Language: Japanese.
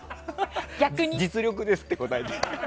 実力です！って答えたけど。